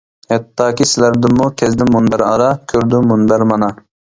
ھەتتاكى، سىلەردىنمۇ. كەزدىم مۇنبەر ئارا، كۆردۈم مۇنبەر مانا.